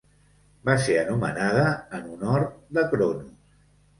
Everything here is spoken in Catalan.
Va ser anomenada en honor de Cronos.